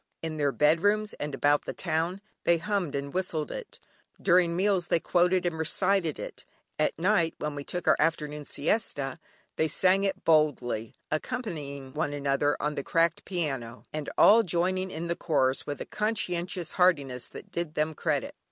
In their bedrooms, and about the town they hummed and whistled it, during meals they quoted and recited it. At night, and when we took our afternoon siesta, they sang it boldly, accompanying one another on the cracked piano, and all joining in the chorus with a conscientious heartiness that did them credit.